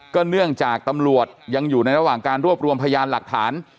เนื่องจากตำรวจยังอยู่ในระหว่างการรวบรวมพยานหลักฐาน